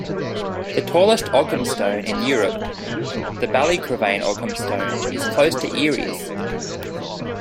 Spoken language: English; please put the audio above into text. The tallest Ogham stone in Europe, the Ballycrovane Ogham Stone, is close to Eyeries.